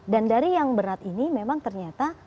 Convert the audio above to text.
dan dari yang berat ini memang ternyata